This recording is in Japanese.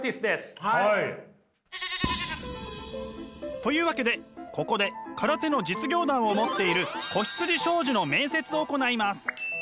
というわけでここで空手の実業団を持っている子羊商事の面接を行います！